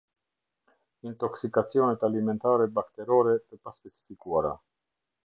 Intoksikacionet alimentare bakterore, të paspecifikuara.